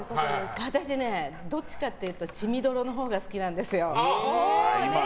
私ね、どっちかっていうと血みどろのほうが好きなんですよ。